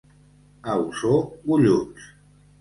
A Osor, golluts.